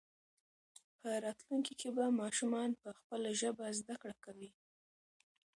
په راتلونکي کې به ماشومان په خپله ژبه زده کړه کوي.